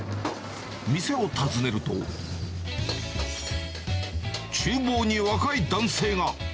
店を訪ねると、ちゅう房に若い男性が。